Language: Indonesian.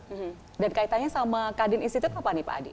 dan kaitannya sama kadin institute apa nih pak adi